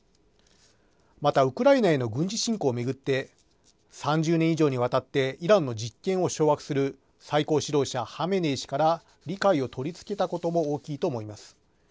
また、ウクライナへの軍事侵攻を巡って３０年以上にわたってイランの実権を掌握する最高指導者ハメネイ師から理解を取りつけたことも大きいと思います。